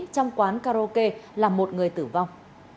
trong quán karaoke là một người tử vong